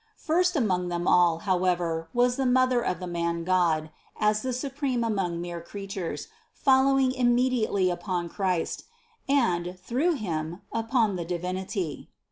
First among them all, however, was the Mother of the Man God, as the Supreme among mere creatures, following immediately upon Christ, and, through Him, upon the Divinity.